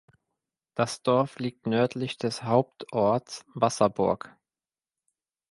Das Dorf liegt nördlich des Hauptorts Wasserburg.